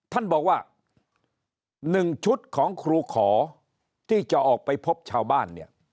ท่านบอกว่า๑ชุดของครูขอที่จะออกไปพบชาวบ้านเนี่ย